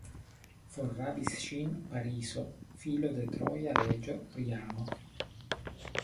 Forrabis ŝin Pariso, filo de troja reĝo Priamo.